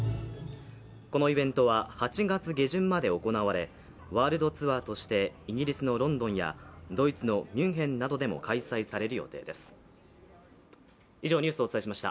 このイベントは８月下旬まで行われ、ワールドツアーとしてイギリスのロンドンやドイツのミュンヘンなどでも開催される予定です。